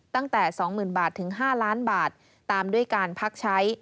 ตั้งแต่๒๐๐๐บาทถึง๕ล้านบาทตามด้วยการพักใช้